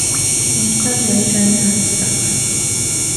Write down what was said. Omukazi yali talina mpisa wadde.